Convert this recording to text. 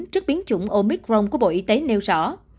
trước biến chủng omicron của bộ y tế nêu rõ